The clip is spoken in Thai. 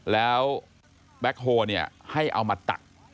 แล้วแบ็คโฮลให้เอามาตัก